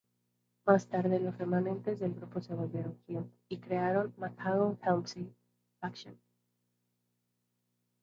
Más tarde, los remanentes del grupo se volvieron heels y crearon McMahon-Helmsley Faction.